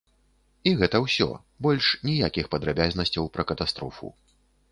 І гэта ўсё, больш ніякіх падрабязнасцяў пра катастрофу.